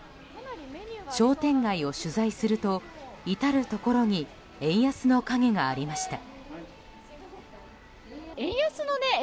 商店街を取材すると至るところに円安の影がありました。